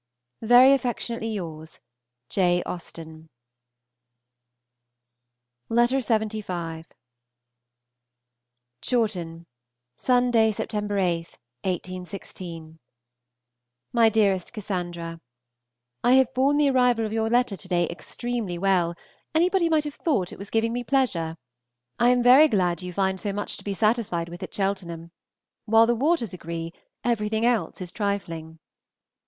Very affectionately yours, J. AUSTEN. Miss KNIGHT, Godmersham Park, Canterbury. LXXV. CHAWTON, Sunday (Sept. 8, 1816). MY DEAREST CASSANDRA, I have borne the arrival of your letter to day extremely well; anybody might have thought it was giving me pleasure. I am very glad you find so much to be satisfied with at Cheltenham. While the waters agree, everything else is trifling.